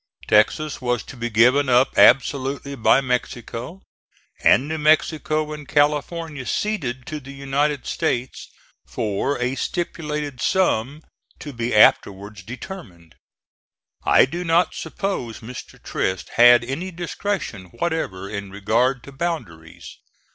Texas was to be given up absolutely by Mexico, and New Mexico and California ceded to the United States for a stipulated sum to be afterwards determined. I do not suppose Mr. Trist had any discretion whatever in regard to boundaries.